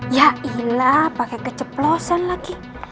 yailah pake keceplosan lagi